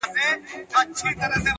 صدقه دي تر تقوا او تر سخا سم’